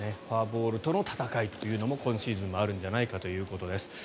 フォアボールとの戦いというのも今シーズンもあるんじゃないかということです。